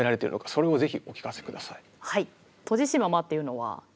それをぜひお聞かせ下さい。